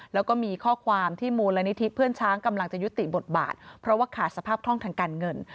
แล้วก็มีข้อความที่มูลนิธิเพื่อนช้างกำลังจะยุติบทบาทเพราะว่าขาดสภาพคล่องทางการเงิน